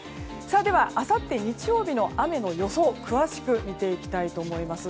では、あさって日曜日の雨の予想詳しく見ていきたいと思います。